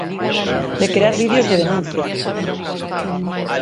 De crear vídeos de denuncia.